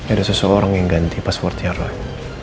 ada seseorang yang ganti passwordnya roy